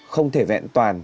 không thể vẹn toàn